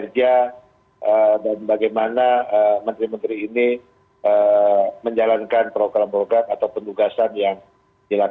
zindalah bukan satu satunya